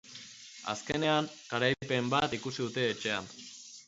Azkenean, garaipen bat ikusi dute etxean.